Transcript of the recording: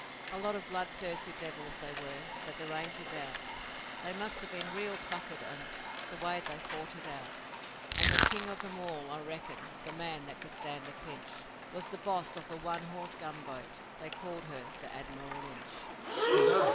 A lot of bloodthirsty devils they were but there ain't a doubt They must have been real plucked 'uns the way that they fought it out, And the king of 'em all, I reckon, the man that could stand a pinch, Was the boss of a one horse gunboat. They called her the 'Admiral Lynch'.